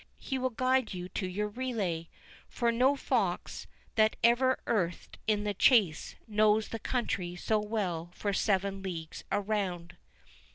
He will guide you to your relay, for no fox that ever earthed in the Chase knows the country so well for seven leagues around."